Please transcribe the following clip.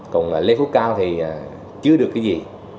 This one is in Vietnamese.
còn lê phú cao thì chưa được cái gì